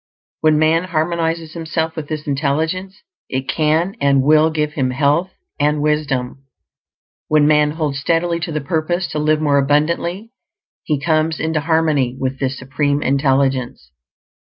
When man harmonizes himself with this Intelligence, it can and will give him health and wisdom. When man holds steadily to the purpose to live more abundantly, he comes into harmony with this Supreme Intelligence.